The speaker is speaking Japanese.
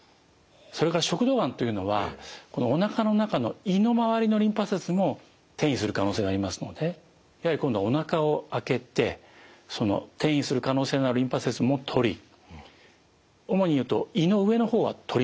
それから食道がんというのはこのおなかの中の胃の周りのリンパ節にも転移する可能性がありますのでやはり今度はおなかを開けて転移する可能性のあるリンパ節も取り主に言うと胃の上の方は取ります一緒に。